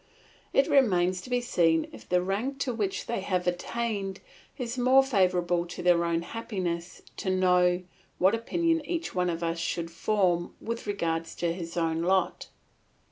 It remains to be seen if the rank to which they have attained is more favourable to their own happiness to know what opinion each one of us should form with regard to his own lot.